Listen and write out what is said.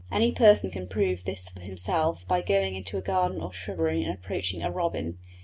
Any person can prove this for himself by going into a garden or shrubbery and approaching a robin.